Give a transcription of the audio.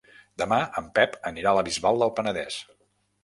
Demà en Pep anirà a la Bisbal del Penedès.